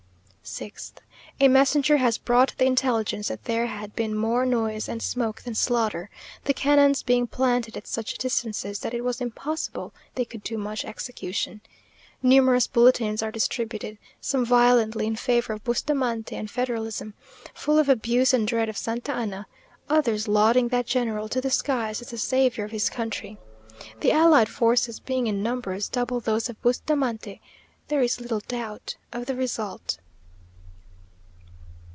6th. A messenger has brought the intelligence that there had been more noise and smoke than slaughter; the cannons being planted at such distances, that it was impossible they could do much execution. Numerous bulletins are distributed; some violently in favour of Bustamante and federalism, full of abuse and dread of Santa Anna; others lauding that general to the skies, as the saviour of his country. The allied forces being in numbers double those of Bustamante, there is little doubt of the result.